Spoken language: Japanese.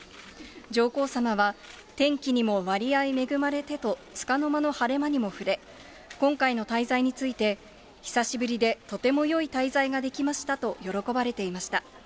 上皇さまは、天気にも割合恵まれてと、つかの間の晴れ間にも触れ、今回の滞在について、久しぶりでとてもよい滞在ができましたと喜ばれていました。